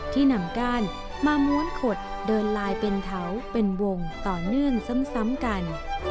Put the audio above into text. ที่นำก้านมาม้วนขดเดินลายเป็นเถาเป็นวงต่อเนื่องซ้ำกัน